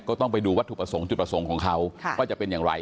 ก็ต้องไปดูวัตถุประสงค์จุดประสงค์ของเขาว่าจะเป็นอย่างไร